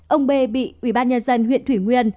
ông bê bị ubnd huyện thủy nguyên